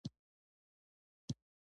په شګو کې دننه به یې په ستنه نقاشۍ کولې.